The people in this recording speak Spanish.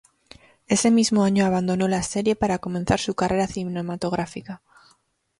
Ese mismo año abandonó la serie para comenzar su carrera cinematográfica.